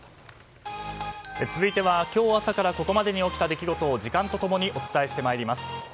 続いては今日朝からここまでに起きた出来事を時間と共にお伝えしてまいります。